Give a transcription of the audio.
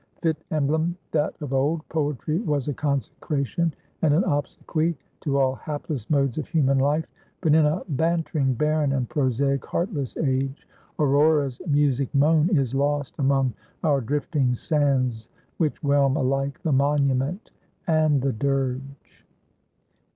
Fit emblem that of old, poetry was a consecration and an obsequy to all hapless modes of human life; but in a bantering, barren, and prosaic, heartless age, Aurora's music moan is lost among our drifting sands which whelm alike the monument and the dirge.